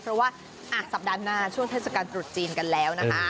เพราะว่าสัปดาห์หน้าช่วงเทศกาลตรุษจีนกันแล้วนะคะ